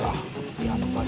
やっぱり。